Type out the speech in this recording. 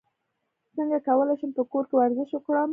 څنګه کولی شم په کور کې ورزش وکړم